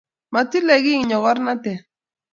Matilel kiiy nyogornatet